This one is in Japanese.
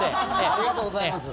ありがとうございます。